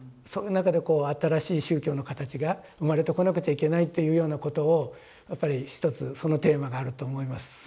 そういう中で新しい宗教の形が生まれてこなくちゃいけないっていうようなことをやっぱりひとつそのテーマがあると思います。